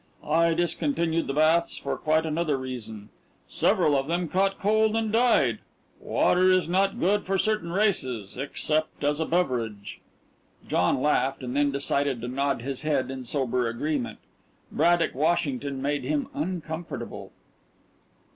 I discontinued the baths for quite another reason. Several of them caught cold and died. Water is not good for certain races except as a beverage." John laughed, and then decided to nod his head in sober agreement. Braddock Washington made him uncomfortable.